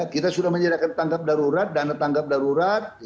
kita sudah menyediakan tangkap darurat dana tanggap darurat